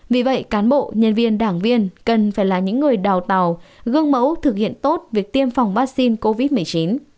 vì vậy cán bộ nhân viên đảng viên cần phải là những người đào tạo gương mẫu thực hiện tốt việc tiêm phòng vaccine covid một mươi chín